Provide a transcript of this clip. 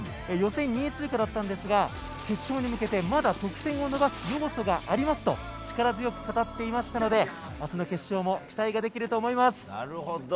予選２位通過だったんですが決勝に向けて、まだ得点を伸ばす要素がありますと力強く語っていましたので明日の決勝も期待ができると思います。